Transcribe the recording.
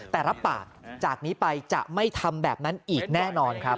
แต่รับปากจากนี้ไปจะไม่ทำแบบนั้นอีกแน่นอนครับ